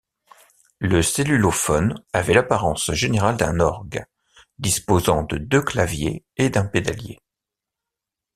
Le cellulophone avait l’apparence générale d’un orgue, disposant de deux claviers et d’un pédalier.